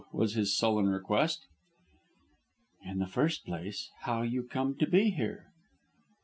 was his sullen request. "In the first place, how you come to be here."